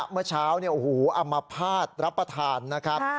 เมื่อเช้าเนี่ยอัมภาษณ์รับประทานนะครับ